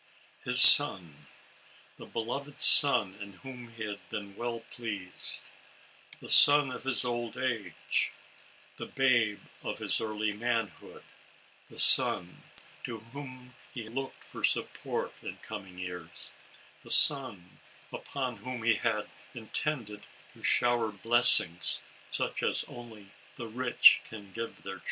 His son; the beloved son in whom he had been well pleased; the son of his old age, the babe of his early manhood, the son, to whom he looked for support in coming years; the son, upon whom he had intended to shower blessings, such as only the rich can give their 64 ALICE ; OR, THE WAGES OF SIN.